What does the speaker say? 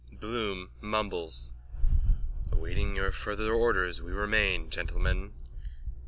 _ BLOOM: [unintelligible] Awaiting your further orders we remain, gentlemen